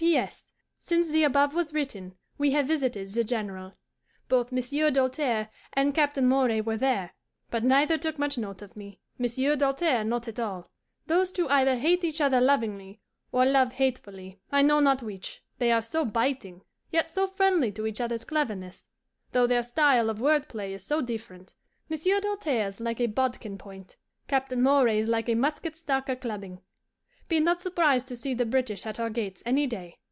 P.S. Since the above was written we have visited the General. Both Monsieur Doltaire and Captain Moray were there, but neither took much note of me Monsieur Doltaire not at all. Those two either hate each other lovingly, or love hatefully, I know not which, they are so biting, yet so friendly to each other's cleverness, though their style of word play is so different: Monsieur Doltaire's like a bodkin point, Captain Moray's like a musket stock a clubbing. Be not surprised to see the British at our gates any day.